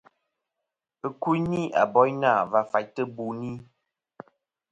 Ɨkuyn ni-a boyna va faytɨ buni.